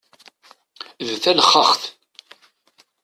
D talexxaxt!